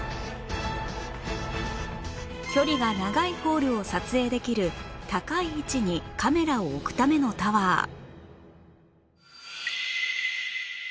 距離が長いホールを撮影できる高い位置にカメラを置くためのタワー